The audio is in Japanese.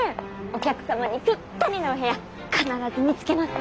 お客様にぴったりのお部屋必ず見つけます。